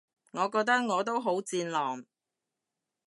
我覺得我都好戰狼